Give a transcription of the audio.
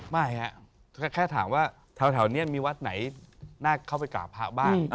ไม่ครับแค่ถามว่าแถวนี้มีวัดไหนน่าเข้าไปกราบพระบ้าง